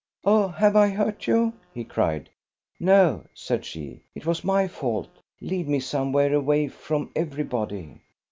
"Oh, have I hurt you?" he cried. "No," said she, "it was my fault. Lead me somewhere away from everybody."